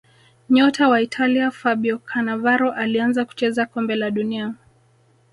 nyota wa italia fabio canavaro alianza kucheza kombe la dunia